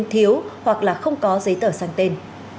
thiếu hoặc là không có giấy tờ sang tên